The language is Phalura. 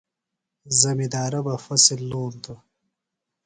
زمندارہ بہ فصۡل لونتوۡ۔